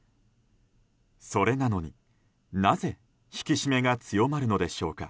それなのに、なぜ引き締めが強まるのでしょうか。